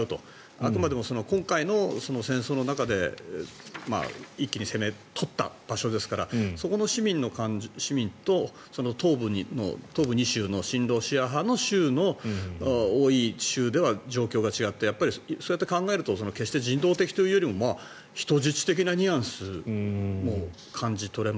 あくまでも今回の戦争の中で一気に攻め取った場所ですからそこの市民と東部２州の親ロシア派が多い州では状況が違ってそうやって考えると自動的というより人質的なニュアンスも感じ取れる。